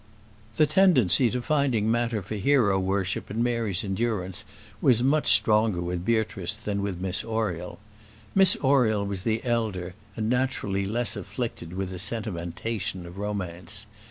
The tendency to finding matter for hero worship in Mary's endurance was much stronger with Beatrice than with Miss Oriel. Miss Oriel was the elder, and naturally less afflicted with the sentimentation of romance.